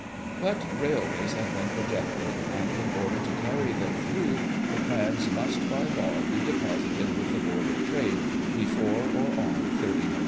But Railways had been projected, and, in order to carry them through, the plans must, by law, be deposited with the Board of Trade, before, or on 30 Nov.